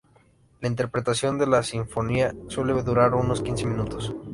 La interpretación de la sinfonía suele durar unos quince minutos.